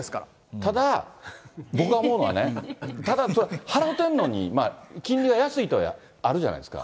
ただ、僕が思うのはね、ただ、それ払ってるのに、金利が安いとかあるじゃないですか。